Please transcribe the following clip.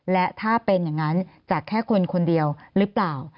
และถ้าเป็นอย่างนั้นจากแค่คนคนเดียวหรือเปล่า